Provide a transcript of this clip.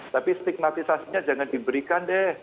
tapi stigmatisasinya jangan diberikan deh